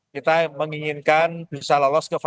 kita menginginkan bisa lolos ke fase